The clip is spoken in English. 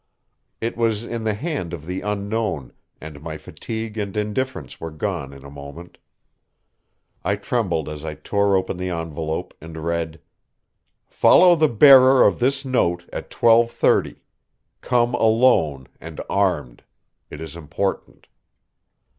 It was in the hand of the Unknown, and my fatigue and indifference were gone in a moment. I trembled as I tore open the envelope, and read: "Follow the bearer of this note at 12:30. Come alone and armed. It is important."